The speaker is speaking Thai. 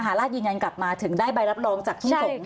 ราชยืนยันกลับมาถึงได้ใบรับรองจากที่สงฆ์